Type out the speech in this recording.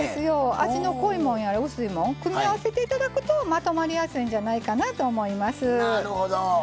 味の濃いもん、薄いもん組み合わせてもらうとまとまりやすいんじゃないかなと思います。